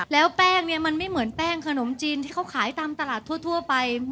แล้วแป้งเนี่ยมันไม่เหมือนแป้งขนมจีนที่เขาขายตามตลาดทั่วไป